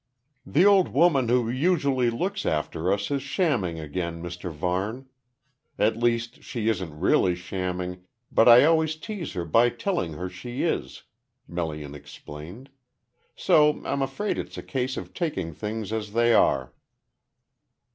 "The old woman who usually looks after us is shamming again, Mr Varne. At least, she isn't really shamming, but I always tease her by telling her she is," Melian explained. "So I'm afraid it's a case of taking things as they are."